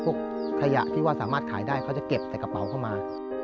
ขยะที่ว่าสามารถขายได้เขาจะเก็บใส่กระเป๋าเข้ามา